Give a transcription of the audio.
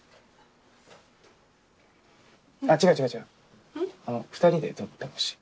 あっ違う違うあの２人で撮ってほしい。